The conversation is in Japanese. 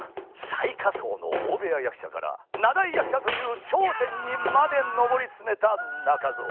最下層の大部屋役者から名題役者という頂点にまで登り詰めた中蔵。